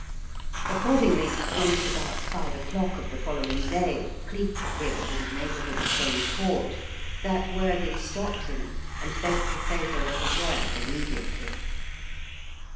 Accordingly, when at about five o'clock of the following day Cleek appeared in the neighbourhood of Cheyne Court, that worthy stopped him and begged the favour of a word immediately.